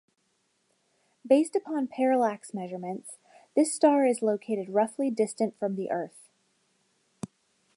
Based upon parallax measurements, this star is located roughly distant from the Earth.